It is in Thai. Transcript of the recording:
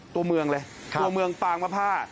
ตัวเมืองเลยตัวเมืองปางมะผ้า